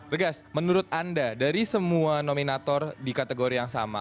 tegas menurut anda dari semua nominator di kategori yang sama